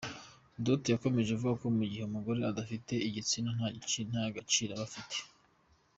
Duterte yakomeje avuga ko mu gihe umugore adafite igitsina nta gaciro yaba afite.